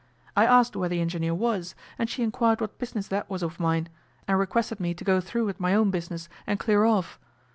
I asked where the engineer was, and she inquired what business that was of mine, and requested me to get through with my own business and clear off.